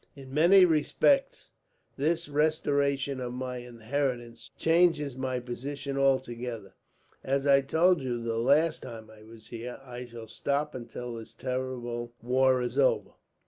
"In many respects this restoration of my inheritance changes my position altogether. As I told you the last time I was here, I shall stop until this terrible war is over.